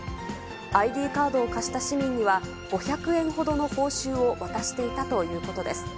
ＩＤカードを貸した市民には、５００円ほどの報酬を渡していたということです。